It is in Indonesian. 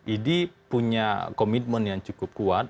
idi punya komitmen yang cukup kuat